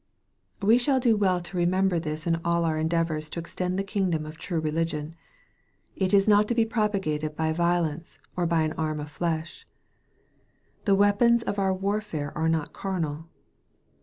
We shall do well to remember this in all our endea vors to extend the kingdom of true religion. It is not to be propagated by violence or by an arm of flesh. " The weapons of our warfare are not carnal."